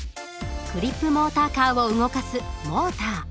クリップモーターカーを動かすモーター。